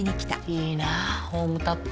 いいなホームタップ。